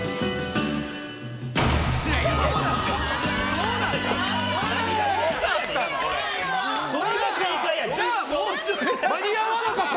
どうなった？